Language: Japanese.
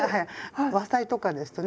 和裁とかですとね